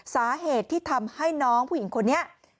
สาเหตุที่ทำให้น้องผู้หญิงคนนี้